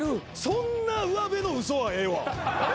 そんなうわべの嘘はええわ。